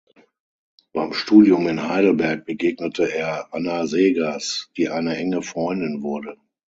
Beim Studium in Heidelberg begegnete er Anna Seghers, die eine enge Freundin wurde.